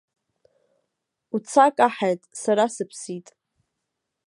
Уца каҳаит, сара сыԥсит.